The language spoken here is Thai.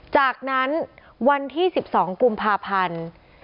จากนั้นวันที่๑๒กุมภาพันธ์